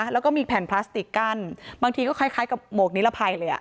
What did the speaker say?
แล้วก็มีแผ่นพลาสติกกั้นบางทีก็คล้ายกับหมวกนิรภัยเลย